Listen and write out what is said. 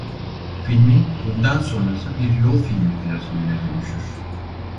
Filmin bundan sonrası bir yol filmi klasiğine dönüşür.